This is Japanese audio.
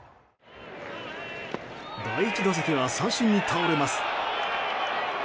第１打席は三振に倒れます。